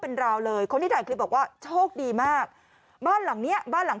เป็นราวเลยคนที่ถ่ายคลิปบอกว่าโชคดีมากบ้านหลังเนี้ยบ้านหลัง